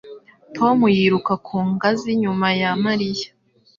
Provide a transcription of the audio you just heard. Toma yiruka ku ngazi nyuma ya Mariya.